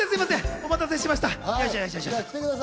お待たせしました！